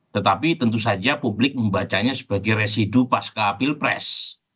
tetapi tentu saja publik membacanya sebagai residu pas keapil pres